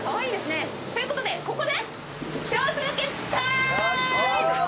ということでここで。